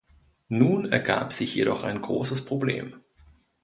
Nun ergab sich jedoch ein großes Problem.